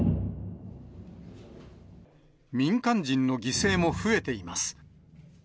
民間人の犠牲も増えています。